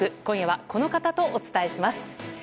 今夜は、この方とお伝えします。